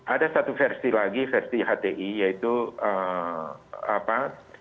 ada satu versi lagi versi hti yaitu apa